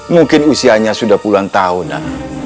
mungkin usianya sudah puluhan tahunan